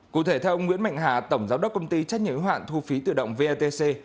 cụ thể theo ông nguyễn mạnh hà tổng giáo đốc công ty trách nhiệm nguyên hoạn thu phí tự động vatc